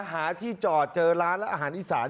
หาที่จอดเจอร้านและอาหารอีสาน